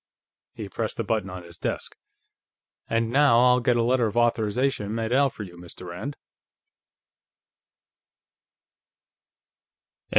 He pressed a button on his desk. "And now, I'll get a letter of authorization made out for you, Mr. Rand